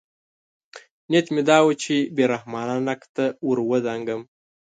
نیت مې دا و چې بې رحمانه نقد ته ورودانګم.